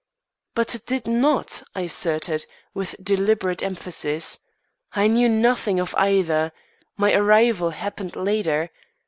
"But it did not," I asserted, with deliberate emphasis. "I knew nothing of either. My arrival happened later.